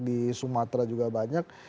di sumatera juga banyak